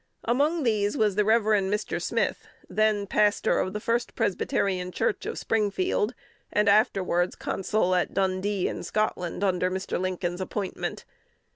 Among these was the Rev. Mr. Smith, then pastor of the First Presbyterian Church of Springfield, and afterwards Consul at Dundee, in Scotland, under Mr. Lincoln's appointment.